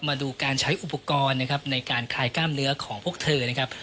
มาดูการใช้อุปกรณ์นะครับในการคลายกล้ามเนื้อของพวกเธอนะครับ